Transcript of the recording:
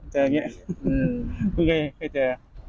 เจออย่างนี้เพิ่งเคยเจอ